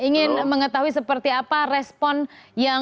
ingin mengetahui seperti apa respon yang